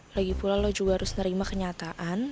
lagi pula lo juga harus nerima kenyataan